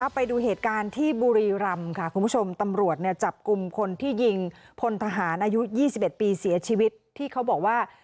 ไปดูเหตุการณ์ที่บุรีรำค่ะคุณผู้ชมตำรวจจับกลุ่มคนที่ยิงพลทหารอายุ๒๑ปีเสียชีวิตที่เขาบอกว่า